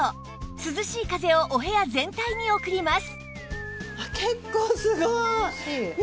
涼しい風をお部屋全体に送ります